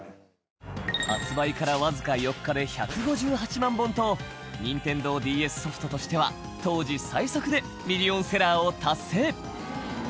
発売から、わずか４日で１５８万本とニンテンドーＤＳソフトとしては当時最速でミリオンセラーを達成